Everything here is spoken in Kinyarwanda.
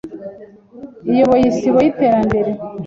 eyoboye Isibo y’Iterembere,